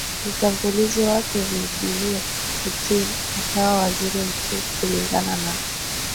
mtangulizi wake Vladimir Putin akawa waziri mkuu Kulingana na